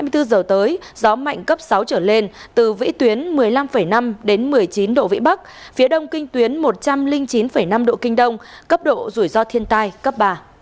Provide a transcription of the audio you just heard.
hai mươi bốn giờ tới gió mạnh cấp sáu trở lên từ vĩ tuyến một mươi năm năm đến một mươi chín độ vĩ bắc phía đông kinh tuyến một trăm linh chín năm độ kinh đông cấp độ rủi ro thiên tai cấp ba